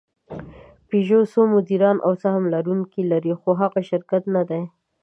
پيژو څو مدیران او سهم لرونکي لري؛ خو هغوی شرکت نهدي.